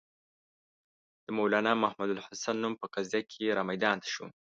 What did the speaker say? د مولنا محمودالحسن نوم په قضیه کې را میدان ته شو.